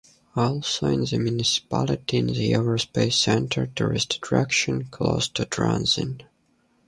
Also in the municipality is the Euro Space Center tourist attraction, close to Transinne.